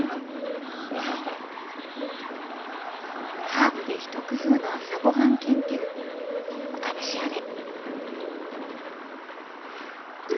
ハーブで一工夫の朝ごはん研究お試しあれ。